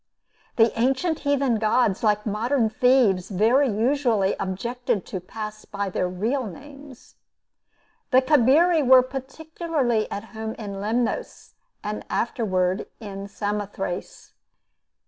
The ancient heathen gods, like modern thieves, very usually objected to pass by their real names. The Cabiri were particularly at home in Lemnos, and afterward in Samothrace.